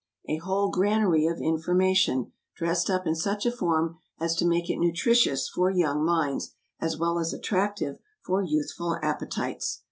_ A whole granary of information, dressed up in such a form as to make it nutritious for young minds, as well as attractive for youthful appetites.